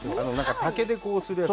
竹でこうするやつ？